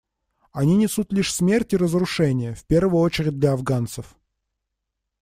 Они несут лишь смерть и разрушение, в первую очередь для афганцев.